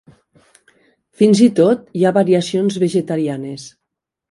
Fins i tot hi ha variacions vegetarianes.